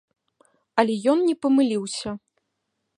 Але ён не памыліўся.